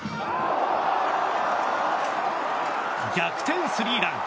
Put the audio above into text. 逆転スリーラン！